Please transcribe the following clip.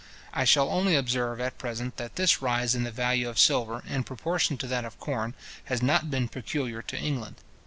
I shall only observe at present, that this rise in the value of silver, in proportion to that of corn, has not been peculiar to England.